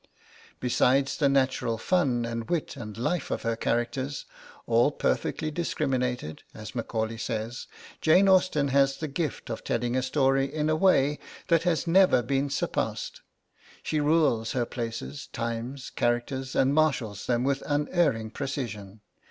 Besides the natural fun and wit and life of her characters, 'all perfectly discriminated,' as Macaulay says, Jane Austen has the gift of telling a story in a way that has never been surpassed. She rules her places, times, characters, and marshals them with unerring precision.